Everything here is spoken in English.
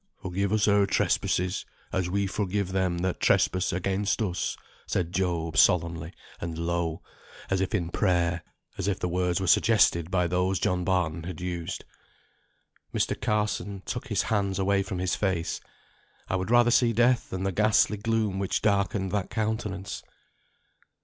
"Forgive us our trespasses as we forgive them that trespass against us," said Job, solemnly and low, as if in prayer; as if the words were suggested by those John Barton had used. Mr. Carson took his hands away from his face. I would rather see death than the ghastly gloom which darkened that countenance.